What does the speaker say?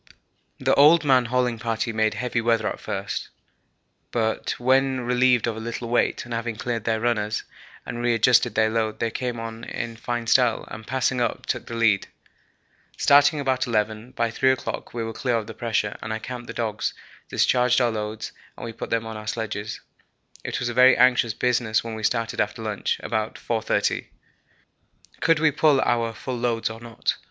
The old man hauling party made heavy weather at first, but when relieved of a little weight and having cleaned their runners and re adjusted their load they came on in fine style, and, passing us, took the lead. Starting about 11, by 3 o'clock we were clear of the pressure, and I camped the dogs, discharged our loads, and we put them on our sledges. It was a very anxious business when we started after lunch, about 4.30. Could we pull our full loads or not?